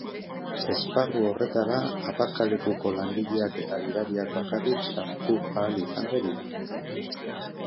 Esparru horretara aparkalekuko langileak eta gidariak bakarrik sartu ahal izango dira.